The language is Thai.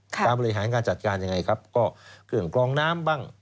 การบริหารการจัดการยังไงครับก็เครื่องกรองน้ำบ้าง